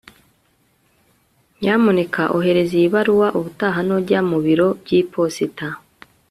nyamuneka ohereza iyi baruwa ubutaha nujya ku biro by'iposita